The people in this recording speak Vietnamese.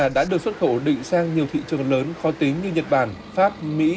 đã được xuất khẩu định sang nhiều thị trường lớn khó tính như nhật bản pháp mỹ